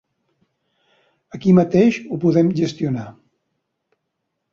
Aquí mateix ho podem gestionar.